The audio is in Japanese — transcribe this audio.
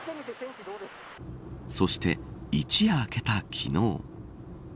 そして一夜明けた昨日。